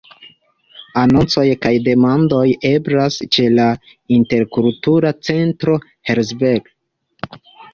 Anoncoj kaj demandoj eblas ĉe la Interkultura Centro Herzberg.